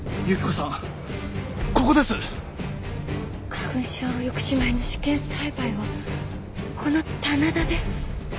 花粉症抑止米の試験栽培はこの棚田で。